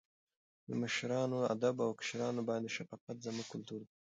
د مشرانو ادب او کشرانو باندې شفقت زموږ کلتور دی.